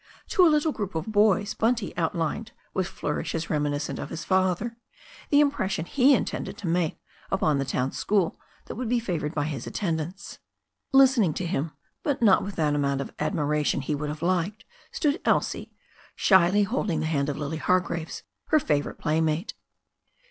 To a little group of boys Bunty outlined with flourishes reminiscent of his father the impression he intended to make upon the town school that would be favoured by his attend ance. Listening to him, but not v/ilVi Vh^X ^mo>axv\. ^\ ^^V 428 THE STORY OF A NEW ZEALAND RIVER miration he would have liked, stood Elsie, shyly holding the hand of Lily Hargraves, her favourite playmate.